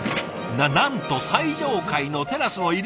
ななんと最上階のテラスの入り口から！